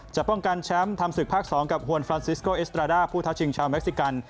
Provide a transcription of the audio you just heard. ป้องกันแชมป์ทำศึกภาค๒กับฮวนฟรานซิสโกเอสตราด้าผู้ทักชิงชาวเม็กซิกัน